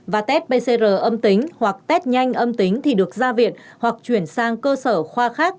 và tep pcr âm tính hoặc test nhanh âm tính thì được ra viện hoặc chuyển sang cơ sở khoa khác